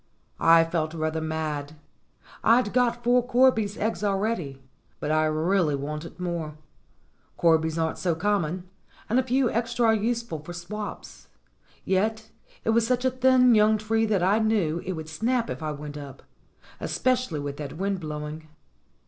I felt rather mad. I'd got four corby's eggs already, but I really wanted more; corbies aren't so common, and a few extra are useful for swaps. Yet it was such a thin, young tree that I knew it would snap if I went up, especially with that wind blowing.